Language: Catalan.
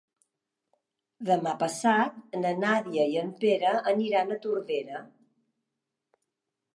Demà passat na Nàdia i en Pere aniran a Tordera.